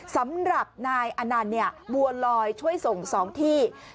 สำหรับนายอนันต์บัวลอยช่วยส่ง๒ที่